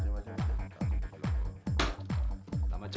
betul decet anak kaligaman ya